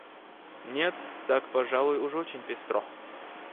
Нет, так, пожалуй, уж очень пестро.